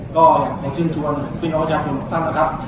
ก็ผมสั่งตัวคุณอาจารย์คุณสั้นตัวครับ